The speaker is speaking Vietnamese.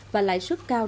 và lãi suất cao